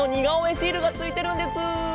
シールがついてるんです。